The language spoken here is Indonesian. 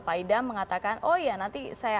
pak idam mengatakan oh iya nanti saya